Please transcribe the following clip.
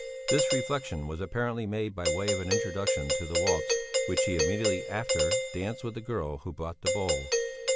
This reflexion was apparently made by way of an introduction to the waltz which he immediately after danced with the girl who brought the bowl.